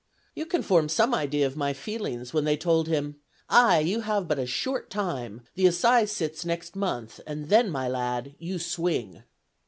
You can form some idea of my feelings when they told him, 'Ay, you have but a short time; the assize sits next month; and then, my lad, you swing.'